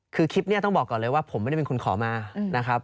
คือคลิปนี้ต้องบอกก่อนเลยว่าผมไม่ได้เป็นคนขอมานะครับ